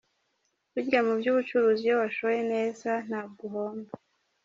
Burya mu by’ ubucuruzi, iyo washoye neza ntabwo uhomba.